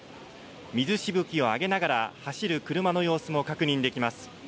水しぶきを上げながら走る車の様子も確認できます。